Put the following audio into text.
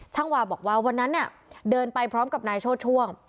วาบอกว่าวันนั้นเนี่ยเดินไปพร้อมกับนายโชธช่วง